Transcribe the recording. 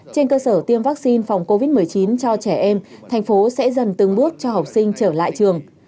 trên cơ sở tiêm vaccine phòng covid một mươi chín cho trẻ em thành phố sẽ dần từng bước cho học sinh trở lại trường